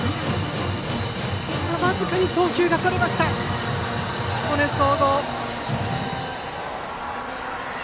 僅かに送球がそれました彦根総合。